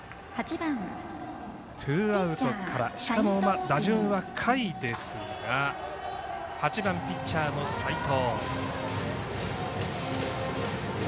ツーアウトから、しかも打順は下位ですが８番ピッチャーの齋藤。